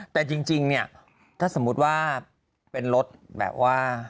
แต่จริงเนี่ยถ้าสมมุติว่าเป็นรถแบบว่า